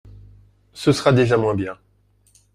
Ce sera déjà moins bien.